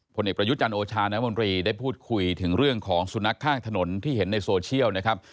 ผลเอกประยุจันทร์โอชาน้ำมนตรีได้พูดคุยถึงเรื่องของสุนัขข้างถนนที่เห็นในโซเชียลนะครับ